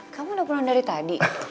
kamu udah pulang dari tadi